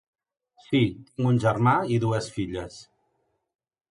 Sí, tinc un germà i dues filles.